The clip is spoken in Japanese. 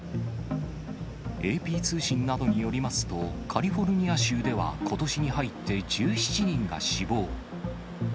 ＡＰ通信などによりますと、カリフォルニア州ではことしに入って１７人が死亡。